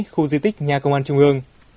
khu di tích nhà công an trung ương